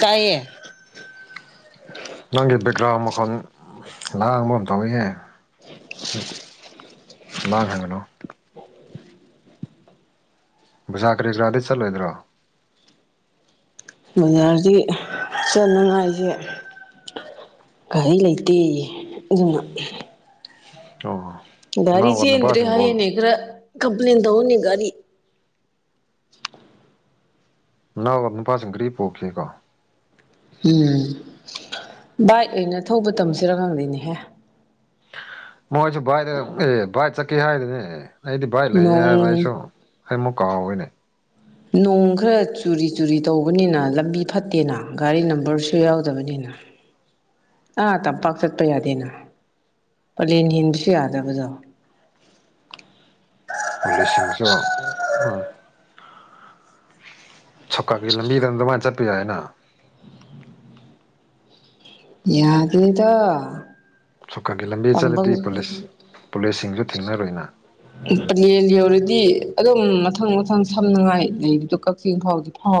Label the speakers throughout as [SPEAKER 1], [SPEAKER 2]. [SPEAKER 1] ꯀꯥꯏꯌꯦ
[SPEAKER 2] ꯅꯪꯒꯤ ꯕꯦꯛꯒ꯭ꯔꯥꯎꯟ ꯃꯈꯥꯗ ꯂꯥꯡꯕ ꯑꯃ ꯇꯥꯏꯌꯦ ꯂꯥꯡ ꯍꯥꯏꯪꯒ꯭ꯔꯣ ꯕꯨꯖꯥ ꯀꯔꯤ ꯀꯔꯥꯗꯩ ꯆꯠꯂꯣꯏꯗ꯭ꯔꯣ
[SPEAKER 1] ꯖꯔꯗꯤ ꯆꯠꯅꯉꯥꯏꯁꯦ ꯀꯔꯤ ꯂꯩꯇꯦ ꯑꯗꯨꯅ
[SPEAKER 2] ꯑꯣ
[SPEAKER 1] ꯒꯥꯔꯤ
[SPEAKER 2] ꯅꯅꯥꯎꯒ
[SPEAKER 1] ꯆꯟ꯭ꯔꯦ
[SPEAKER 2] ꯅꯨꯄꯥꯁꯤꯡ ꯒꯣꯜ
[SPEAKER 1] ꯍꯥꯏꯌꯦꯅꯦ ꯈ꯭ꯔ ꯀꯝꯄ꯭ꯂꯦꯟ ꯇꯧꯅꯤ ꯒꯥꯔꯤ
[SPEAKER 2] ꯅꯍꯎꯔ ꯅꯨꯄꯥꯁꯤꯡ ꯔꯤ ꯄꯣꯛꯈꯤꯦꯀꯣ
[SPEAKER 1] ꯎꯝ ꯕꯥꯏꯛ ꯑ ꯑꯣꯏꯅ ꯊꯧꯕ ꯇꯝꯁꯤꯔ ꯈꯪꯗꯣꯏꯅꯦꯍꯦ
[SPEAKER 2] ꯃꯣꯏꯁꯨ ꯚꯥꯏꯗ ꯑꯦ ꯚꯥꯏ ꯆꯠꯀꯦ ꯍꯥꯏꯗꯨꯅꯦ ꯑꯩꯗꯤ ꯚꯥꯏ ꯂꯩꯌꯦ ꯍꯥꯏꯕ
[SPEAKER 1] ꯅꯣꯡ
[SPEAKER 2] ꯑꯩꯁꯨ ꯍꯥꯏꯃꯨꯛ ꯀꯥꯎꯏꯅꯦ
[SPEAKER 1] ꯅꯣꯡ ꯈꯔ ꯆꯨꯔꯤ ꯆꯨꯔꯤ ꯇꯧꯕꯅꯤꯅ ꯂꯝꯕꯤ ꯐꯠꯇꯦꯅ ꯒꯥꯔꯤ ꯅꯝꯕꯔꯁꯨ ꯌꯥꯎꯗꯕꯅꯤꯅ [unintelligible] ꯑꯥ ꯇꯝꯄꯥꯛ ꯆꯠꯄ ꯌꯥꯗꯦꯅ ꯄꯂꯦꯟ ꯍꯦꯟꯕꯁꯨ ꯌꯥꯗꯕꯗꯣ
[SPEAKER 2] ꯄꯨꯂꯤꯁꯁꯤꯡꯁꯨ ꯁꯧꯀꯒꯤ ꯂꯝꯕꯤꯗꯅ ꯑꯗꯨꯃꯥꯏꯅ ꯆꯠꯄ ꯌꯥꯏ ꯍꯥꯏꯅ
[SPEAKER 1] ꯌꯥꯗꯦꯗ
[SPEAKER 2] ꯁꯔꯀꯥꯒꯤ ꯂꯝꯕꯤ
[SPEAKER 1] ꯇꯝꯕꯪ
[SPEAKER 2] ꯆꯠꯂꯗꯤ ꯄꯨꯂꯤꯁ ꯄꯨꯂꯤꯁꯁꯤꯡꯁꯨ ꯊꯦꯡꯅꯔꯣꯏꯅ
[SPEAKER 1] ꯄꯅꯦꯟ ꯌꯧꯔꯗꯤ ꯑꯗꯨꯝ ꯃꯊꯪ ꯃꯊꯪ ꯁꯝꯅꯉꯥꯏ ꯂꯩꯕꯗꯣ ꯀꯛꯆꯤꯡ ꯐꯥꯎꯗꯤ ꯍ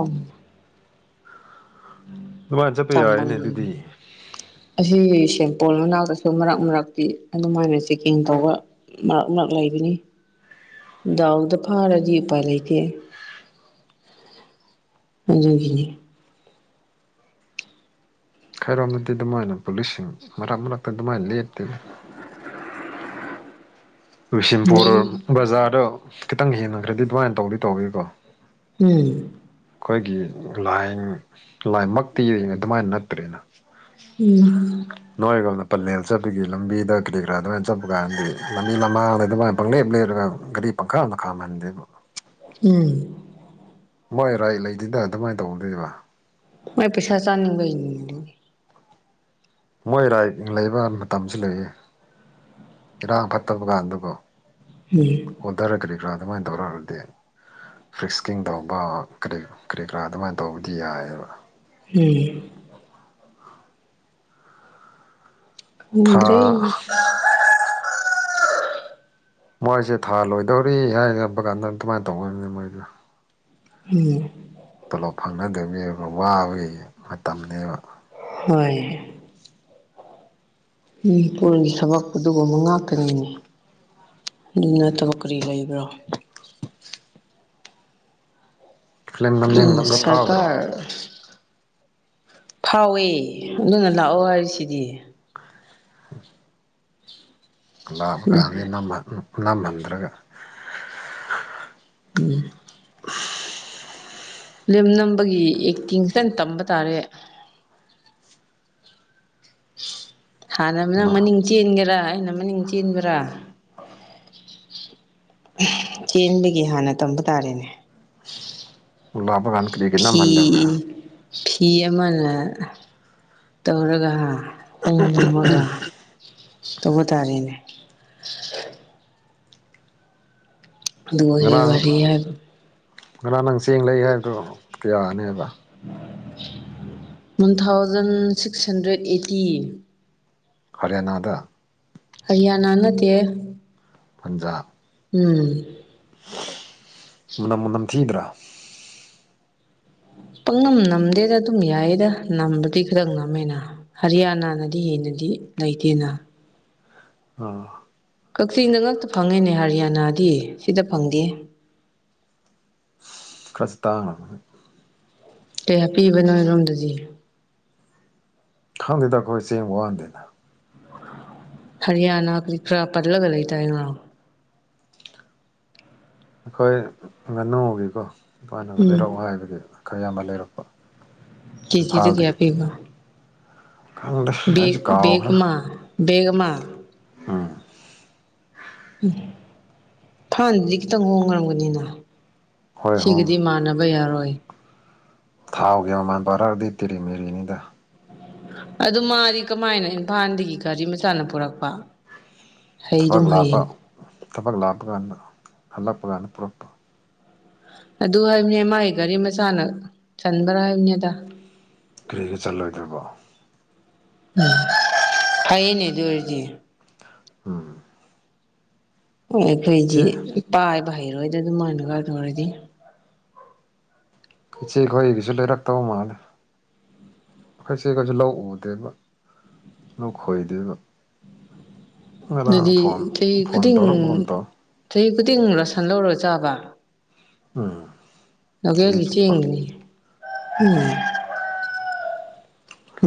[SPEAKER 2] ꯑꯗꯨꯃꯥꯏꯅ ꯆꯠꯄ ꯌꯥꯏꯅꯦ ꯑꯗꯨꯗꯤ
[SPEAKER 1] [unintelligible] ꯑꯁꯤ ꯁꯦꯝꯄꯄꯣꯜ ꯃꯅꯥꯛꯇꯁꯨ ꯃꯔꯛ ꯃꯔꯛꯇꯤ ꯑꯗꯨꯃꯥꯏꯅ ꯆꯦꯛꯀꯤꯡ ꯇꯧꯕ ꯃꯔꯛ ꯃꯔꯛ ꯂꯩꯕꯅꯤ ꯗꯥꯎꯗ ꯐꯥꯔꯗꯤ ꯎꯄꯥꯏ ꯂꯩꯇꯦ [unintelligible]
[SPEAKER 2] ꯈꯔꯣꯝꯗꯗꯤ ꯑꯗꯨꯃꯥꯏꯅ ꯄꯨꯂꯤꯁꯁꯤꯡ ꯃꯔꯛ ꯃꯔꯛꯇ ꯑꯗꯨꯃꯥꯏꯅ ꯂꯦꯞꯇꯦ ꯕꯤꯁꯦꯝꯄꯨꯔ
[SPEAKER 1] ꯂꯩ
[SPEAKER 2] ꯕꯖꯥꯔꯗꯣ ꯈꯤꯇꯪ ꯍꯦꯡꯟꯅꯈ꯭ꯔꯗꯤ ꯑꯗꯨꯃꯥꯏꯅ ꯇꯧꯗꯤ ꯇꯧꯋꯀꯣ
[SPEAKER 1] ꯎꯝ
[SPEAKER 2] ꯑꯩꯈꯣꯏꯒꯤ ꯂꯥꯏ ꯂꯥꯏꯃꯛꯇꯤ ꯑꯗꯨꯃꯥꯏꯅ ꯅꯠꯇ꯭ꯔꯦꯅ
[SPEAKER 1] ꯎꯝ
[SPEAKER 2] ꯅꯣꯏꯔꯒꯣꯅ ꯄꯂꯦꯜ ꯆꯠꯄꯒꯤ ꯂꯝꯕꯤꯗ ꯀꯔꯤ ꯀꯔꯥ ꯑꯗꯨꯃꯥꯏꯅ ꯆꯠꯄ ꯀꯥꯟꯗꯗꯤ ꯂꯝꯕꯤ ꯂꯃꯥꯡꯗꯩ ꯑꯗꯨꯃꯥꯏꯅ ꯄꯪꯂꯦꯛꯞ ꯂꯩꯞꯔꯒ ꯒꯔꯤ ꯄꯪꯈꯥꯃꯗ ꯈꯥꯝꯍꯟꯗꯦꯕꯨ
[SPEAKER 1] ꯎꯝ
[SPEAKER 2] ꯃꯣꯏ ꯔꯥꯏꯠ ꯂꯩꯗꯤꯗ ꯑꯗꯨꯃꯥꯏꯅ ꯇꯧꯗꯣꯏꯕ
[SPEAKER 1] ꯃꯣꯏ ꯄꯩꯁꯥ ꯆꯥꯅꯤꯡꯕꯩꯅꯤ
[SPEAKER 2] ꯃꯣꯏ ꯔꯥꯏꯠ ꯂꯩꯕ ꯃꯇꯝꯁꯨ ꯂꯩꯌꯦ ꯏꯔꯥꯡ ꯐꯠꯇꯕ ꯀꯥꯟꯗꯀꯣ
[SPEAKER 1] ꯎ
[SPEAKER 2] ꯑꯣꯊꯔꯒꯔꯤ ꯀꯥ ꯑꯗꯨꯃꯥꯏꯅ ꯇꯧꯔꯛꯑꯔꯗꯤ ꯐ꯭ꯔꯤꯛꯁꯀꯤꯡ ꯇꯧꯕꯔꯤ ꯀꯔꯤ ꯀꯔꯥ ꯑꯗꯨꯃꯥꯏꯅ ꯇꯧꯕꯗꯤ ꯌꯥꯏꯑꯕ
[SPEAKER 1] ꯎꯝ
[SPEAKER 2] ꯊꯥ
[SPEAKER 1] ꯎꯗ꯭ꯔꯦ
[SPEAKER 2] ꯃꯣꯏꯁꯦ ꯊꯥ ꯂꯣꯏꯗꯧꯔꯤ ꯍꯥꯏꯔꯝꯕ ꯀꯥꯟꯗ ꯑꯗꯨꯃꯥꯏꯅ ꯇꯧꯅꯤ ꯃꯣꯏꯗ
[SPEAKER 1] ꯎꯝ
[SPEAKER 2] ꯇꯣꯂꯣꯞ ꯐꯪꯅꯗꯕꯩ ꯋꯥꯕꯒꯤ ꯃꯇꯝꯅꯦꯕ
[SPEAKER 1] ꯍꯣꯏ ꯃꯤꯅꯤꯄꯨꯔꯒꯤ ꯊꯕꯛꯄ ꯑꯗꯨꯒꯨꯝꯕ ꯉꯥꯛꯇꯅꯤꯅꯦ ꯅꯠꯇꯕ ꯀꯔꯤ ꯂꯩꯕ꯭ꯔꯣ
[SPEAKER 2] ꯐꯤꯂꯝ ꯅꯝꯅꯤꯡꯕ ꯐꯥꯎꯗ꯭ꯔꯣ
[SPEAKER 1] [unintelligible] ꯐꯥꯎꯋꯦ ꯑꯗꯨꯅ ꯂꯥꯛꯑꯣ ꯍꯥꯏꯔꯤꯁꯤꯗꯤ
[SPEAKER 2] ꯂꯥꯞꯕ ꯀꯥꯟꯗ ꯅꯝꯍꯟꯗ꯭ꯔꯒ
[SPEAKER 1] ꯎꯝ ꯂꯦꯝꯅꯝꯕꯒꯤ ꯑꯦꯛꯇꯤꯡ ꯈꯤꯇꯪ ꯇꯝꯕ ꯇꯥꯔꯦ ꯍꯥꯟꯅ ꯅꯪ ꯃꯅꯤꯡ ꯆꯦꯟꯒꯦꯔꯥ ꯑꯩꯅ ꯃꯅꯤꯡ ꯆꯦꯟꯕꯔꯥ ꯆꯦꯟꯕꯒꯤ ꯍꯥꯟꯅ ꯇꯝꯕ ꯇꯥꯔꯦꯅꯦꯏ
[SPEAKER 2] ꯎꯂꯥꯕꯒꯥꯟ
[SPEAKER 1] ꯐꯤ ꯐꯤ ꯑꯃꯅ ꯇꯧꯔꯒ ꯍꯣꯡ ꯍꯨꯝꯃꯒ ꯇꯧꯕ ꯇꯥꯔꯦꯅꯦ ꯑꯗꯨ ꯑꯣꯏꯔꯦ ꯋꯥꯔꯤꯔꯤ ꯍꯥꯏ
[SPEAKER 2] ꯉꯔ ꯅꯪ ꯆꯦꯡ ꯂꯩ ꯍꯥꯏꯕꯗꯨꯣ ꯀꯌꯥꯅꯦꯕ
[SPEAKER 1] one thousand six hundred eighty
[SPEAKER 2] ꯍꯔꯤꯌꯥꯅꯥꯗ
[SPEAKER 1] ꯑꯩꯌꯥ ꯅꯥꯟꯅꯗꯦ
[SPEAKER 2] ꯄꯟꯖꯥꯕ
[SPEAKER 1] ꯎꯝ
[SPEAKER 2] ꯃꯅꯝ ꯃꯅꯝ ꯊꯤꯒꯗ꯭ꯔꯥ
[SPEAKER 1] ꯄꯥꯛꯅꯝ ꯅꯝꯗꯦꯗ ꯑꯗꯨꯝ ꯌꯥꯏꯌꯦꯗ ꯅꯝꯕꯗꯤ ꯇ ꯉꯝꯃꯦꯅ ꯍꯔꯤꯌꯥꯅꯥꯅꯗꯤ ꯍꯦꯟꯅꯗꯤ ꯂꯩꯇꯦꯅ
[SPEAKER 2] ꯎꯝ
[SPEAKER 1] ꯀꯛꯆꯤꯡꯗ ꯉꯛꯇ ꯐꯪꯉꯦꯅꯦ ꯍꯔꯤꯌꯥꯅꯥꯗꯤ ꯁꯤꯗ ꯐꯪꯗꯦ
[SPEAKER 2] ꯈ꯭ꯔꯤꯁꯇꯥꯅꯥ
[SPEAKER 1] ꯀꯩ ꯍꯥꯄꯤꯕꯅꯣꯔꯣꯝꯗꯗꯤ
[SPEAKER 2] ꯈꯪꯗꯦꯗ ꯑꯩꯈꯣꯏ ꯆꯦꯡ ꯋꯥꯍꯟꯗꯦꯅ
[SPEAKER 1] ꯍꯔꯌꯥꯅꯥ ꯀ ꯂꯤꯔꯤ ꯄꯨ꯭ꯔꯥ ꯄꯠꯂꯒ ꯂꯩꯂꯤ ꯇꯥꯏ
[SPEAKER 2] ꯑꯩꯈꯣꯏ ꯉꯥꯅꯨꯒꯤꯀꯣ ꯏꯄꯥꯅꯒ
[SPEAKER 1] ꯎꯝ
[SPEAKER 2] ꯂꯩꯔꯥꯎ ꯍꯥꯏꯕꯒꯤ ꯈꯔ ꯌꯥꯝ ꯂꯩꯔꯛꯄ
[SPEAKER 1] ꯀꯦꯖꯤꯗ ꯀꯌꯥ
[SPEAKER 2] ꯏꯝꯐꯥꯜꯗꯒꯤ
[SPEAKER 1] ꯄꯤꯕ
[SPEAKER 2] ꯈꯪꯗꯦ
[SPEAKER 1] ꯒ
[SPEAKER 2] ꯑꯩꯁꯨ
[SPEAKER 1] ꯦꯒ ꯃꯥ ꯦꯒ ꯃꯥ
[SPEAKER 2] ꯑꯥ
[SPEAKER 1] ꯎꯝ ꯐꯥꯟꯗꯨꯗꯤ ꯈꯤꯇꯪ ꯍꯣꯡꯅꯔꯝꯒꯅꯤꯅ
[SPEAKER 2] ꯍꯣꯏ ꯍꯣ
[SPEAKER 1] ꯁꯤꯒꯤꯗꯤ ꯃꯥꯟꯅꯕ ꯌꯥꯔꯣꯏ
[SPEAKER 2] ꯊꯥꯎꯒꯤ ꯃꯃꯥꯟ ꯄꯥꯔꯛꯑꯗꯤ ꯇꯤꯔꯤ ꯃꯦꯔꯤꯅꯤꯗ
[SPEAKER 1] ꯑꯗꯨ ꯃꯥꯗꯤ ꯀꯃꯥꯏꯅ ꯏꯝꯐꯥꯜꯗꯒꯤ ꯒꯥꯔꯤ ꯃꯆꯥꯅ ꯄꯨꯔꯛꯄ
[SPEAKER 2] ꯊꯕꯛ
[SPEAKER 1] ꯍꯩꯗꯨꯝ
[SPEAKER 2] ꯂꯥꯞꯄ
[SPEAKER 1] ꯍꯩꯌꯦꯅꯦ
[SPEAKER 2] ꯊꯕꯛ ꯂꯥꯞꯄ ꯀꯥꯟꯗ ꯍꯜꯂꯛꯄ ꯀꯥꯟꯗ ꯄꯨꯔꯛꯄ
[SPEAKER 1] ꯑꯗꯨ ꯍꯥꯏꯕꯅꯦ ꯃꯥꯒꯤ ꯒꯥꯔꯤ ꯃꯆꯥꯅ ꯆꯟꯕ꯭ꯔꯥ ꯍꯥꯏꯕꯅꯦ ꯑꯗ
[SPEAKER 2] ꯀꯔꯤꯒꯤ ꯆꯠꯂꯣꯏꯗꯣꯏꯔꯤꯕꯣ
[SPEAKER 1] ꯎꯝ ꯐꯩꯌꯦꯅꯦ ꯑꯗꯨ ꯑꯣꯏꯔꯗꯤ
[SPEAKER 2] ꯎꯝ
[SPEAKER 1] ꯑꯣ ꯑꯩꯈꯣꯏꯗꯤ
[SPEAKER 2] ꯏꯆꯦ
[SPEAKER 1] ꯄꯥꯏꯕ ꯍꯩꯔꯣꯏꯗ ꯑꯗꯨꯃꯥꯏꯅꯒ ꯇꯧꯔꯗꯤ
[SPEAKER 2] ꯏꯆꯦꯈꯣꯏꯒꯤꯁꯨ ꯂꯩꯔꯛꯇꯧ ꯃꯥꯜꯂꯦ ꯑꯩꯈꯣꯏ ꯏꯆꯦꯈꯣꯏꯁꯨ ꯂꯧ ꯎꯗꯦꯕ ꯅꯈꯣꯏꯗꯨꯕ ꯉꯔꯥꯡ ꯐꯣꯟ
[SPEAKER 1] ꯑꯗꯨꯗꯤ ꯆꯍꯤ
[SPEAKER 2] ꯐꯣꯟ
[SPEAKER 1] ꯈꯨꯗꯤꯡ
[SPEAKER 2] ꯇꯧꯔꯛꯄꯒꯨꯝ ꯇꯧꯋꯦ
[SPEAKER 1] ꯆꯍꯤ ꯈꯨꯗꯤꯡ ꯔꯁꯟ ꯂꯧꯔꯒ ꯆꯥꯕ
[SPEAKER 2] ꯎꯝ ꯆꯍꯤ
[SPEAKER 1] ꯂꯦꯒꯤ
[SPEAKER 2] ꯆꯨꯞꯄ
[SPEAKER 1] ꯆꯦꯡꯒꯅꯤ ꯎꯝ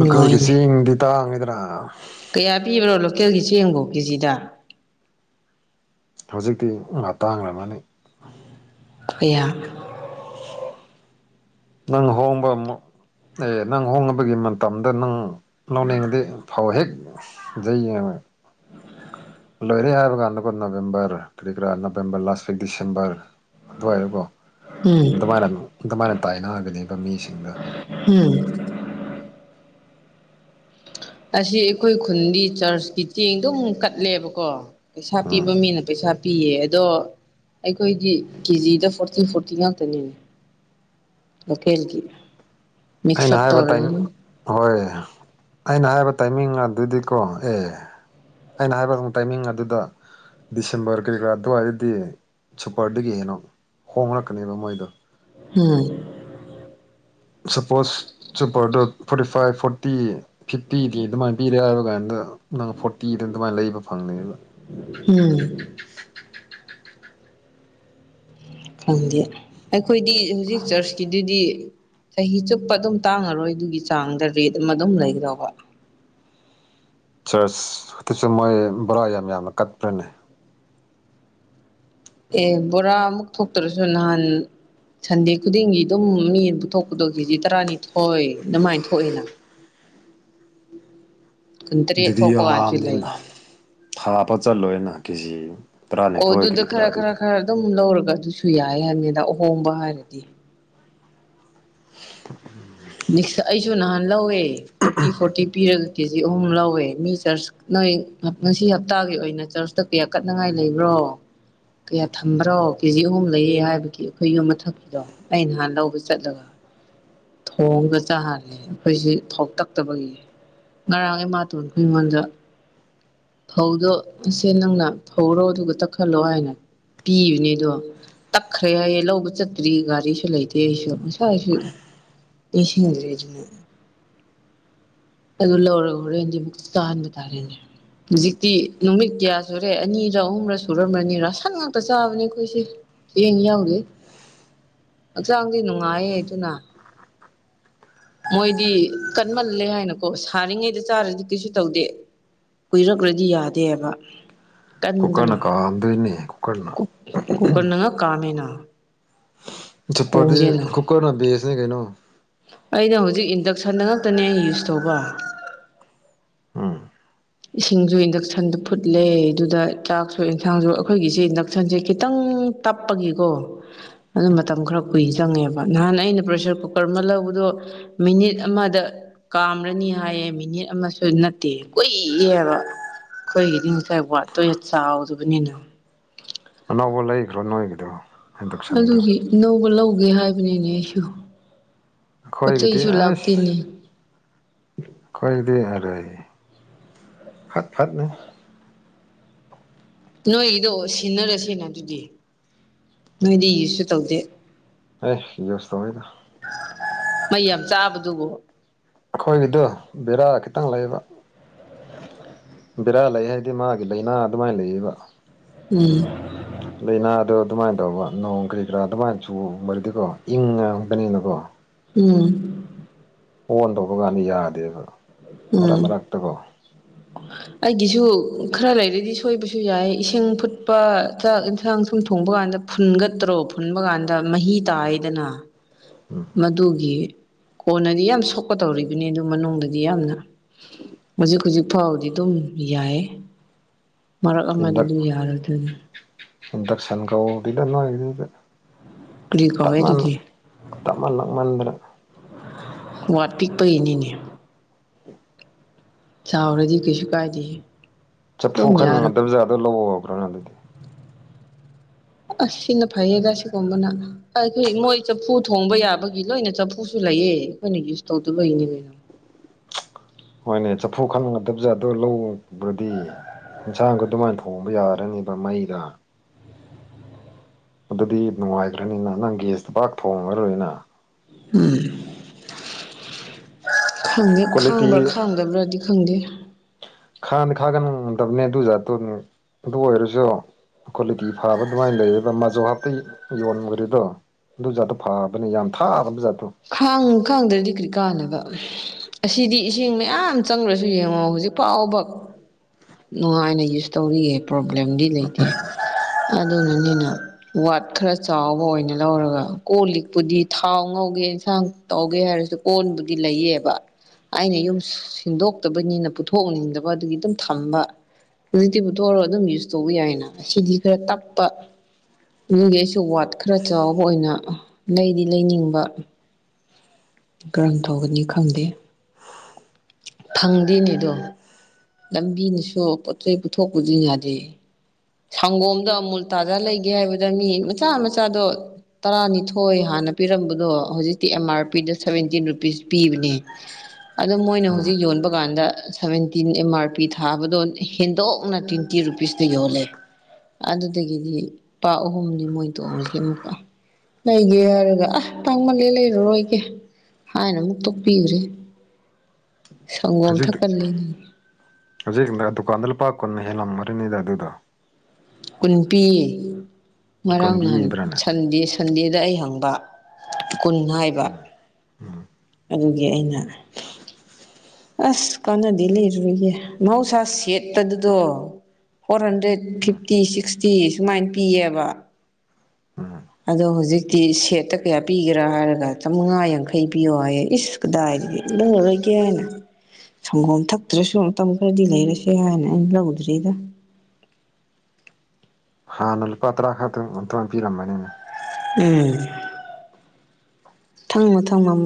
[SPEAKER 2] ꯂꯣꯀꯦꯜꯒꯤ ꯆꯦꯡꯗꯤ ꯇꯥꯡꯉꯤꯗꯅ
[SPEAKER 1] ꯀꯌꯥ ꯄꯤꯕ꯭ꯔꯣ ꯂꯣꯀꯦꯜꯒꯤ ꯆꯦꯡꯕꯣ ꯀꯦꯖꯤꯗ
[SPEAKER 2] ꯍꯧꯖꯤꯛꯇꯤ ꯉꯇꯥꯡꯈꯃꯅꯤ
[SPEAKER 1] ꯀ ꯀꯌꯥ
[SPEAKER 2] ꯅꯪ ꯍꯣꯡꯕ ꯑꯦ ꯅꯪ ꯍꯣꯡꯅꯕꯒꯤ ꯃꯇꯝꯗ ꯅꯪ ꯂꯧꯅꯤꯡꯉꯗꯤ ꯐꯧ ꯍꯦꯛ ꯗ ꯌꯥ [unintelligible] [unintelligible] ꯂꯣꯏꯔꯦ ꯍꯥꯏꯕꯀꯥꯟꯗꯀꯣ ꯅꯕꯦꯝꯕꯔ ꯀꯔꯤ ꯀꯔꯥ ꯅꯕꯦꯝꯕꯔ ꯂꯥꯁ ꯋꯤꯛ ꯗꯤꯁꯦꯝꯕꯔ ꯑꯗꯨꯏ
[SPEAKER 1] ꯎꯝ
[SPEAKER 2] ꯑꯗꯨꯃꯥꯏꯅ ꯑꯗꯨꯃꯥꯏꯅ ꯇꯥꯏꯅꯦꯕ ꯃꯤꯁꯤꯡꯗ
[SPEAKER 1] ꯎꯝ ꯑꯁꯤ ꯑꯩꯈꯣꯏ ꯈꯨꯟꯗꯤ ꯆꯔꯆꯀꯤ ꯆꯦꯡ ꯑꯗꯨꯝ ꯀꯠꯂꯦꯕꯀꯣ ꯄꯩꯁꯥ
[SPEAKER 2] ꯎꯝ
[SPEAKER 1] ꯄꯤꯕ ꯃꯤꯅ ꯄꯩꯁꯥ ꯄꯤꯌꯦ ꯑꯗꯣ ꯑꯩꯈꯣꯏꯗꯤ ꯀꯦꯖꯤꯗ ꯐꯣꯔꯇꯤꯟ ꯐꯣꯔꯇꯤ ꯉꯥꯛꯇꯅꯤꯅꯦ ꯑꯣ ꯈꯦꯜ ꯀ
[SPEAKER 2] ꯑꯩꯅ ꯍꯥꯏꯕ ꯇꯥꯏꯃꯤꯡ ꯍꯣꯏ ꯑꯩꯅ ꯍꯥꯏꯕ ꯇꯥꯏꯃꯤꯡ ꯑꯗꯨꯗꯤꯀꯣ ꯑꯦ ꯑꯩꯅ ꯍꯥꯏꯕ ꯇꯥꯏꯃꯤꯡ ꯑꯗꯨꯗ ꯗꯤꯁꯦꯝꯕꯔ ꯀꯔꯤ ꯀꯔꯥ ꯑꯗꯨꯋꯥꯏꯗꯗꯤ ꯁꯨꯄꯔꯗꯒꯤ ꯍꯦꯟꯅ ꯍꯣꯡꯂꯛꯀꯅꯦꯕ ꯃꯣꯏꯗꯣ
[SPEAKER 1] ꯍꯣꯏ
[SPEAKER 2] ꯁꯄꯣꯁ ꯁꯨꯄꯔꯗ ꯐꯣꯔꯇꯤ ꯐꯥꯏꯚ ꯐꯣꯔꯇꯤ ꯐꯤꯐꯇꯤꯗꯤ ꯑꯗꯨꯃꯥꯏꯅ ꯄꯤꯔꯦ ꯍꯥꯏꯕ ꯀꯥꯟꯗ ꯅꯪ ꯐꯣꯔꯇꯤꯗ ꯑꯗꯨꯃꯥꯏꯅ ꯂꯩꯕ ꯐꯪꯅꯤꯗ
[SPEAKER 1] ꯎꯝ ꯈꯪꯗꯦ ꯑꯩꯈꯣꯏꯗꯤ ꯍꯧꯖꯤꯛ ꯆꯔꯆꯀꯤꯗꯨꯗꯤ ꯆꯍꯤ ꯆꯨꯞꯄ ꯑꯗꯨꯝ ꯇꯥꯡꯉꯔꯣꯏ ꯑꯗꯨꯒꯤ ꯆꯥꯡꯗ ꯔꯦꯠ ꯑꯃ ꯑꯗꯨꯝ ꯂꯩꯈ꯭ꯔꯕ
[SPEAKER 2] ꯆꯔꯁ ꯇꯁꯨ ꯃꯣꯏ ꯕꯔꯥ ꯌꯥꯝ ꯌꯥꯝꯅ ꯀꯠꯄ꯭ꯔꯅꯦ
[SPEAKER 1] ꯑꯦ ꯕꯣꯔꯥ ꯑꯃꯨꯛ ꯊꯣꯛꯇ꯭ꯔꯁꯨ ꯅꯍꯥꯟ ꯁꯟꯗꯦ ꯈꯨꯗꯤꯡꯒꯤ ꯑꯗꯨꯝ ꯃꯤ ꯄꯨꯊꯣꯛꯄꯗꯣ ꯀꯦꯖꯤ ꯇꯔꯥꯅꯤꯊꯣꯏ ꯑꯗꯨꯃꯥꯏꯅ ꯊꯣꯛꯏꯅ ꯀꯨꯟꯇꯔꯦꯠ
[SPEAKER 2] ꯑꯗꯨꯗꯤ
[SPEAKER 1] ꯊꯣꯛꯄ ꯀꯥꯟꯁꯨ
[SPEAKER 2] ꯌꯥꯝꯅꯤꯅ
[SPEAKER 1] ꯂꯩꯌꯦ
[SPEAKER 2] ꯊꯥꯕ ꯆꯠꯂꯣꯏꯅ ꯀꯦꯖꯤ
[SPEAKER 1] ꯑꯣ
[SPEAKER 2] ꯇꯔꯥꯅꯤꯊꯣꯏ
[SPEAKER 1] ꯑꯗꯨꯗ
[SPEAKER 2] ꯀꯔꯤ ꯀꯔꯥ
[SPEAKER 1] ꯈꯔ ꯈꯔ
[SPEAKER 2] ꯑꯗꯨꯗꯤ
[SPEAKER 1] ꯈꯔ ꯑꯗꯨꯝ ꯂꯧꯔꯒ ꯑꯗꯨꯁꯨ ꯌꯥꯏ ꯍꯥꯏꯕꯅꯤꯗ ꯑꯍꯣꯡꯕ ꯍꯥꯏꯔꯗꯤ
[SPEAKER 2] ꯎꯝ [unintelligible]
[SPEAKER 1] ꯑꯩꯁꯨ ꯅꯍꯥꯟ ꯂꯧꯋꯦ ꯐꯣꯔꯇꯤ ꯐꯣꯔꯇꯤ ꯄꯤꯔꯒ ꯀꯦ ꯖꯤ ꯑꯍꯨꯝ ꯂꯧꯋꯦ ꯃꯤ ꯆꯔꯆ ꯅꯣꯏ ꯉꯁꯤ ꯍꯞꯇꯥꯒꯤ ꯑꯣꯏꯅ ꯆꯔꯆꯇ ꯀꯌꯥ ꯑꯀꯠꯅꯉꯥꯏ ꯂꯩꯕ꯭ꯔꯣ ꯀꯌꯥ ꯊꯝꯕ꯭ꯔꯣ ꯀꯦꯖꯤ ꯑꯍꯨꯝ ꯂꯩꯌꯦ ꯍꯥꯏꯕꯒꯤ ꯑꯩꯈꯣꯏ ꯌꯨꯝ ꯃꯊꯛꯀꯤꯗꯣ ꯑꯩ ꯅꯍꯥꯟ ꯂꯧꯕ ꯆꯠꯂꯒ ꯊꯣꯡꯒ ꯆꯥꯍꯜꯔꯦ ꯑꯩꯈꯣꯏꯁꯤ ꯊꯧꯇꯛꯇꯕꯒꯤ ꯉꯔꯥꯡꯈꯩ ꯃꯥꯇꯣꯟ ꯑꯩꯈꯣꯏ ꯑꯩꯉꯣꯟꯗ ꯐꯧꯗꯣ ꯏꯆꯦ ꯅꯪꯅ ꯐꯧꯔꯣ ꯑꯗꯨꯒ ꯇꯛꯈꯠꯂꯣ ꯍꯥꯏꯅ ꯄꯤꯕꯅꯦꯗꯣ ꯇꯛꯈ꯭ꯔꯦ ꯍꯥꯏꯌꯦ ꯂꯧꯕ ꯆꯠꯇ꯭ꯔꯤ ꯒꯥꯔꯤꯁꯨ ꯂꯩꯇꯦ ꯑꯩꯁꯨ ꯉꯁꯥꯏꯁꯨ ꯄꯁ ꯑꯗ꯭ꯔꯦꯖꯅ [unintelligible] ꯑꯗꯨ ꯂꯧꯔ ꯍꯧꯔꯦꯟꯗꯤ ꯑꯃꯨꯛ ꯇꯥꯍꯟꯕ ꯇꯥꯔꯦꯅꯦ ꯍꯧꯖꯤꯛꯇꯤ ꯅꯨꯃꯤꯠ ꯀꯌꯥ ꯁꯨꯔꯦ ꯑꯅꯤꯔ ꯑꯍꯨꯝꯔ ꯁꯨꯔꯝꯂꯅꯤ ꯔꯥꯁꯟ ꯉꯥꯛꯇ ꯆꯥꯕꯅꯦ ꯑꯩꯈꯣꯏꯁꯦ ꯆꯦꯡ ꯌꯥꯎꯔꯤ ꯍꯛꯆꯥꯡꯗꯤ ꯅꯨꯡꯉꯥꯏꯌꯦ ꯑꯩꯗꯨꯅ ꯃꯣꯏꯗꯤ ꯀꯟꯃꯜꯂꯦ ꯍꯥꯏꯅꯀꯣ ꯀꯣ ꯁꯥꯔꯤꯉꯩꯗ ꯆꯥꯔꯗꯤ ꯀꯩꯁꯨ ꯇꯧꯗꯦ ꯀꯨꯏꯔꯛꯈ꯭ꯔꯗꯤ ꯌꯥꯗꯦꯕ ꯀꯟꯗꯅ
[SPEAKER 2] ꯀꯨꯒꯔꯅ ꯀꯥꯝꯗꯣꯏꯅꯦ ꯀꯨꯀꯔꯅ
[SPEAKER 1] ꯀꯨꯀꯔꯅ ꯀꯥꯃꯦꯅꯥ
[SPEAKER 2] ꯆꯨꯄꯔꯗꯤ ꯀꯨꯀꯔꯅ ꯕꯦꯁꯅꯦ ꯀꯩꯅꯣ
[SPEAKER 1] ꯑꯩꯅ ꯍꯧꯖꯤꯛ ꯏꯟꯗꯛꯁꯟꯗ ꯉꯥꯛꯛꯇꯅꯦ ꯑꯩ ꯌꯨꯁ ꯇꯧꯕ
[SPEAKER 2] ꯎꯝ
[SPEAKER 1] ꯏꯁꯤꯡꯁꯨ ꯏꯟꯗꯛꯁꯟꯗ ꯐꯨꯠꯂꯦ ꯑꯗꯨꯗ ꯆꯥꯛꯁꯨ ꯑꯦꯟꯁꯥꯡꯁꯨ ꯑꯩꯈꯣꯏꯒꯤꯁꯦ ꯏꯟꯗꯛꯁꯟꯁꯦ ꯈꯤꯇꯪ ꯇꯞꯄꯒꯤꯀꯣ ꯑꯗꯨ ꯃꯇꯝ ꯈꯔ ꯀꯨꯏ ꯆꯪꯉꯦꯕ ꯅꯍꯥꯟ ꯑꯩꯅ ꯄ꯭ꯔꯦꯁꯔ ꯀꯨꯀꯔ ꯑꯃ ꯂꯧꯕꯗꯣ ꯃꯤꯅꯤꯠ ꯑꯃꯗ ꯀꯥꯝꯔꯅꯤ ꯍꯥꯏꯌꯦ ꯃꯤꯅꯤꯠ ꯑꯃꯁꯨ ꯅꯠꯇꯦ ꯀꯨꯏꯌꯦꯕ ꯑꯩꯈꯣꯏꯒꯤꯗꯤ ꯉꯁꯥꯏ ꯋꯥꯠꯇꯣ ꯆꯥꯎꯗꯕꯅꯤꯅ
[SPEAKER 2] ꯑꯅꯧꯕ ꯂꯩꯈ꯭ꯔꯣ ꯅꯣꯏꯒꯤꯗꯣ ꯏꯟꯗꯛꯁꯟꯗꯣ
[SPEAKER 1] ꯑꯗꯨꯒꯤꯅꯧꯕ ꯂꯧꯒꯦ ꯍꯥꯏꯕꯅꯤꯅꯦ ꯑꯩꯁꯨ
[SPEAKER 2] ꯑꯩꯈꯣꯏꯒꯤꯗꯤ
[SPEAKER 1] ꯄꯣꯠꯆꯩꯁꯨ ꯂꯥꯛꯇꯦꯅꯦ
[SPEAKER 2] ꯑꯩꯣꯏꯗꯤ ꯈꯔ ꯐꯠ ꯐꯠꯅꯦ
[SPEAKER 1] ꯅꯣꯏꯒꯤꯗꯣ ꯁꯤꯟꯅꯔꯁꯦꯅ ꯑꯗꯨꯗꯤ ꯅꯣꯏꯗꯤ ꯌꯨꯁꯁꯨ ꯇꯧꯗꯦ
[SPEAKER 2] ꯑꯁ ꯌꯨꯁ ꯇꯧꯔꯦꯗ
[SPEAKER 1] ꯃꯩ ꯌꯥꯝ ꯆꯥꯕꯗꯨꯕꯨꯣ
[SPEAKER 2] ꯑꯩꯈꯣꯏꯒꯤꯗꯣ ꯕꯦꯔꯥ ꯈꯤꯇꯪ ꯂꯩꯌꯦꯕ ꯕꯦꯔꯥ ꯂꯩ ꯍꯥꯏꯗꯤ ꯃꯥꯒꯤ ꯂꯥꯏꯅꯥ ꯑꯗꯨꯃꯥꯏꯅ ꯂꯩꯌꯦꯕ
[SPEAKER 1] ꯎꯝ
[SPEAKER 2] ꯂꯥꯏꯅꯥꯗꯣ ꯑꯗꯨꯃꯥꯏꯅ ꯇꯧꯕ ꯅꯣꯡ ꯀꯔꯤ ꯀꯔꯥ ꯑꯗꯨꯃꯥꯏꯅ ꯆꯨꯕꯗꯤꯀꯣ ꯏꯪ ꯉꯥꯡꯅꯤꯅꯀꯣ
[SPEAKER 1] ꯎꯝ
[SPEAKER 2] ꯑꯣꯟ ꯇꯧꯕ ꯀꯥꯟꯗ ꯌꯥꯗꯦꯕ ꯃꯔꯛ ꯃꯔꯛ ꯇꯀꯣ
[SPEAKER 1] ꯍ ꯑꯩꯒꯤꯁꯨ ꯈꯔ ꯂꯩꯔꯗꯤ ꯁꯣꯏꯕꯁꯨ ꯌꯥꯏ ꯏꯁꯤꯡ ꯐꯨꯠꯄ ꯆꯥꯛ ꯏꯟꯁꯥꯡ ꯁꯨꯝ ꯊꯣꯡꯕ ꯀꯥꯟꯗ ꯐꯨꯟꯒꯠꯇ꯭ꯔꯣ ꯐꯨꯟꯕ ꯀꯥꯟꯗ ꯃꯍꯤ ꯇꯥꯏꯗꯅ
[SPEAKER 2] ꯎꯝ
[SPEAKER 1] ꯃꯗꯨꯒꯤ ꯀꯣꯟꯅꯗꯤ ꯌꯥꯝ ꯁꯣꯛꯀ ꯇꯧꯔꯤꯕꯅꯤ ꯑꯗꯨ ꯃꯅꯨꯡꯗꯗꯤ ꯌꯥꯝꯅ ꯍꯧꯖꯤꯛ ꯍꯧꯖꯤꯛ ꯐꯥꯎꯕꯗꯤ ꯑꯗꯨꯝ ꯌꯥꯏꯌꯦ ꯃꯔꯛ ꯑꯃꯗꯤ
[SPEAKER 2] ꯏꯟꯗꯛ
[SPEAKER 1] ꯑꯗꯨꯝ ꯌꯥꯔꯣꯏꯗꯣꯏꯅꯤ
[SPEAKER 2] ꯏꯟꯗꯛꯁꯟ ꯀꯧꯗꯦꯗ ꯅꯣꯏꯗꯨꯗꯤ
[SPEAKER 1] ꯀꯔꯤ
[SPEAKER 2] ꯇꯞ
[SPEAKER 1] ꯀꯧꯋꯦ
[SPEAKER 2] ꯃꯅ
[SPEAKER 1] ꯑꯗꯨꯗꯤ
[SPEAKER 2] ꯇꯞꯃꯜꯂꯛ ꯃꯟꯗꯅ
[SPEAKER 1] ꯋꯥꯠ ꯄꯤꯛꯄꯩꯅꯤꯅꯦ ꯆꯥꯎꯔꯗꯤ ꯀꯩꯁꯨ ꯀꯥꯏꯗꯦꯍꯦ
[SPEAKER 2] ꯆꯐꯨ ꯈꯟꯒꯗꯕ ꯖꯥꯒꯥꯗꯣ ꯂꯧꯕ ꯑꯣꯏꯕ꯭ꯔꯣꯅ ꯑꯗꯨꯗꯤ
[SPEAKER 1] ꯑꯁ ꯁꯤꯅ ꯐꯩꯌꯦꯗ ꯁꯤꯒꯨꯝꯕꯅ ꯑꯩꯈꯣꯏ ꯃꯣꯏ ꯆꯐꯨ ꯊꯣꯡꯕ ꯌꯥꯕꯒꯤ ꯂꯣꯏꯅ ꯆꯐꯨꯁꯨ ꯂꯩꯌꯦ ꯑꯩꯈꯣꯏꯅ ꯌꯨꯁ ꯇꯧꯗꯕꯒꯤꯅꯤꯅꯦ
[SPEAKER 2] ꯍꯣꯏꯅꯦ ꯆꯐꯨ ꯈꯪꯒꯗꯕꯖꯥ ꯑꯗ ꯂꯧꯕꯨꯗꯤ ꯏꯟꯁꯥꯡꯒ ꯑꯗꯨꯃꯥꯏꯅ ꯊꯣꯡꯕ ꯌꯥꯔꯂꯤꯕ ꯃꯩꯗ ꯑꯗꯨꯗꯤ ꯅꯨꯡꯉꯥꯏꯈ꯭ꯔꯅꯤꯅ ꯅꯪ ꯒꯦꯁꯇ ꯄꯥꯛ ꯊꯣꯡꯉ ꯔꯣꯏꯅ
[SPEAKER 1] ꯎꯝ ꯈꯪꯦ
[SPEAKER 2] ꯀ꯭ꯋꯥꯂꯤꯇꯤ
[SPEAKER 1] ꯈꯥꯡꯕ꯭ꯔꯥ ꯈꯥꯡꯗꯕ꯭ꯔꯥꯗꯤ ꯈꯪꯗꯦ
[SPEAKER 2] ꯈꯥꯗꯤ ꯈꯥꯒꯟꯗꯕꯅꯦ ꯑꯗꯨꯖꯥ ꯑꯗꯨꯅꯤ ꯑꯗꯨ ꯑꯣꯏꯔꯁꯨ ꯀ꯭ꯋꯥꯂꯤꯇꯤ ꯐꯥꯕ ꯑꯗꯨꯃꯥꯏꯅ ꯂꯩꯔꯦꯕ ꯃꯖꯧ ꯍꯥꯞꯇ ꯌꯣꯟꯈ꯭ꯔꯦꯗꯣ ꯑꯗꯨ ꯖꯥꯠꯇꯣ ꯐꯥꯕꯅꯤꯅ ꯌꯥꯝ ꯊꯥꯗꯕ ꯖꯥꯠꯇꯣ
[SPEAKER 1] ꯈꯥꯡ ꯈꯥꯡꯗ꯭ꯔꯗꯤ ꯀꯔꯤ ꯀꯥꯟꯅꯕ ꯑꯁꯤꯗꯤ ꯏꯁꯤꯡ ꯃꯌꯥꯝ ꯆꯪꯈ꯭ꯔꯁꯨ ꯌꯦꯡꯉꯣ ꯍꯧꯖꯤꯛ ꯐꯥꯎꯕ ꯅꯨꯡꯉꯥꯏꯅ ꯌꯨꯁ ꯇꯧꯔꯤꯌꯦ ꯄ꯭ꯔꯣꯕ꯭ꯂꯦꯝꯗꯤ ꯂꯩꯇꯦ ꯑꯗꯨꯅꯅꯤꯅ ꯋꯥꯠ ꯈꯔ ꯆꯥꯎꯕ ꯑꯣꯏꯅ ꯂꯧꯔꯒ ꯀꯣꯜ ꯂꯤꯛꯄꯨꯗꯤ ꯊꯥꯎ ꯉꯧꯒꯦ ꯌꯦꯟꯁꯥꯡ ꯇꯧꯒꯦ ꯍꯥꯏꯔꯁꯨ ꯀꯣꯟꯕꯨꯗꯤ ꯂꯩꯌꯦꯕ ꯑꯩꯅ ꯌꯨꯝ ꯁꯤꯟꯗꯣꯛꯇꯕꯅꯤꯅ ꯄꯨꯊꯣꯛꯅꯤꯡꯗꯕ ꯑꯗꯨꯒꯤ ꯑꯗꯨꯝ ꯊꯝꯕ ꯍꯧꯖꯤꯛꯇꯤ ꯄꯨꯊꯣꯛꯂꯒ ꯑꯗꯨꯝ ꯌꯨꯁ ꯇꯧꯕ ꯌꯥꯏꯅ ꯑꯁꯤꯗꯤ ꯈꯔ ꯇꯛꯄ ꯃꯅꯨꯡꯒꯤ ꯑꯩꯁꯨ ꯋꯥꯠ ꯈꯔ ꯆꯥꯎꯕ ꯑꯣꯏꯅ ꯂꯩꯗꯤ ꯂꯩꯅꯤꯡꯕ ꯀꯔꯝ ꯇꯧꯒꯅꯤ ꯈꯪꯗꯦ ꯐꯪꯗꯦꯅꯦ ꯑꯗꯣ ꯂꯝꯕꯤꯅꯁꯨ ꯄꯣꯠ ꯆꯩ ꯄꯨꯊꯣꯛꯄꯗꯤ ꯌꯥꯗꯦ ꯁꯪꯒꯣꯝꯗ ꯑꯃꯨꯜ ꯇꯥꯖꯥ ꯂꯩꯒꯦ ꯍꯥꯏꯕꯗ ꯃꯤ ꯃꯆꯥ ꯃꯆꯥꯗꯣ ꯇꯔꯥꯅꯤꯊꯣꯏ ꯍꯥꯟꯅ ꯄꯤꯔꯝꯕꯗꯣ ꯍꯧꯖꯤꯛꯇꯤ ꯑꯦꯝ ꯑꯥꯔ ꯄꯤꯗ ꯁꯚꯦꯟꯇꯤꯟ ꯔꯨꯄꯤꯁ ꯄꯤꯕꯅꯦ ꯑꯗꯣ ꯃꯣꯏꯅ
[SPEAKER 2] ꯎꯝ
[SPEAKER 1] ꯍꯧꯖꯤꯛ ꯌꯣꯟꯕ ꯀꯥꯟꯗ ꯁꯚꯦꯟꯇꯤꯟ ꯑꯦꯝ ꯑꯥꯔ ꯄꯤ ꯊꯥꯕꯗꯣ ꯍꯦꯟꯗꯣꯛꯅ ꯇꯤꯟ ꯀꯤ ꯔꯨꯄꯤꯁꯇ ꯌꯣꯜꯂꯦ ꯑꯗꯨꯗꯒꯤꯗꯤ ꯂ ꯄꯥꯛ ꯑꯍꯨꯝꯅꯤ ꯃꯣꯏ ꯇꯣꯡꯉꯁꯦ ꯑꯃꯨꯛꯀ ꯂꯩꯒꯦ ꯍꯥꯏꯔꯒ ꯑꯁ ꯇꯥꯡꯃꯜꯂꯦ ꯂꯩꯔꯔꯣꯏꯒꯦ ꯍꯥꯏꯅ ꯑꯃꯨꯛ ꯇꯣꯛꯄꯤꯈ꯭ꯔꯦ ꯁꯪꯒꯣꯝ
[SPEAKER 2] ꯍꯧꯖꯤꯛ
[SPEAKER 1] ꯊꯛꯀꯜꯂꯦꯅꯦ
[SPEAKER 2] ꯍꯧꯖꯤꯛ ꯗꯨꯀꯥꯟꯗ ꯂꯨꯄꯥ ꯀꯨꯟꯅ ꯍꯦꯜꯂꯝꯃꯔꯤꯅꯤꯗ ꯑꯗꯨꯗꯣ
[SPEAKER 1] ꯀꯨꯟꯄꯤꯤ ꯉꯔꯥꯡ ꯅꯍꯥꯟ
[SPEAKER 2] ꯀꯣꯟꯕꯤꯕ꯭ꯔꯥꯅꯦ
[SPEAKER 1] ꯁꯟꯗꯤ ꯁꯟꯗꯦꯗ ꯑꯩ ꯍꯪꯕ ꯀꯨꯟ ꯍꯥꯏꯕ ꯑꯗꯨꯒꯤ ꯑꯩꯅ ꯑꯁ ꯀꯥꯟꯅꯗꯤ ꯂꯩꯔꯔꯣꯏꯒꯦ ꯃꯍꯧꯁꯥ ꯁꯦꯠꯇ ꯑꯗꯨꯗꯣ ꯐꯣꯔ ꯍꯟꯗ꯭ꯔꯦꯗ ꯐꯤꯐꯇꯤ ꯁꯤꯛꯁꯇꯤ ꯁꯨꯃꯥꯏꯅ ꯄꯤꯌꯦꯕ
[SPEAKER 2] ꯎꯝ
[SPEAKER 1] ꯑꯗꯣ ꯍꯧꯖꯤꯛꯇꯤ ꯁꯦꯠꯇ ꯀꯌꯥ ꯄꯤꯒꯦꯔꯥ ꯍꯥꯏꯔꯒ ꯆꯃꯉꯥ ꯌꯥꯡꯈꯩ ꯄꯤꯌꯣ ꯍꯥꯏꯌꯦ ꯏꯁ ꯀꯗꯥꯏꯗꯩ ꯂꯧꯔꯔꯣꯏꯒꯦꯅ ꯁꯪꯒꯣꯝ ꯊꯛꯇ꯭ꯔꯁꯨ ꯃꯇꯝ ꯈꯔꯗꯤ ꯂꯩꯔꯁꯦ ꯍꯥꯏꯅ ꯑꯩꯅ ꯂꯧꯗ꯭ꯔꯤꯗ
[SPEAKER 2] ꯍꯥꯟꯅ ꯂꯨꯄꯥ ꯇꯔꯥ ꯈꯛꯇꯪ ꯑꯗꯨꯃꯥꯏꯅ ꯄꯤꯔꯝꯕꯅꯤꯅꯦ
[SPEAKER 1] ꯎꯝ ꯊꯥꯡꯅ ꯊꯥꯡꯅ